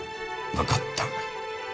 わかった。